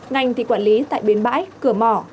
ngành thì quản lý tại bến bãi cửa mỏ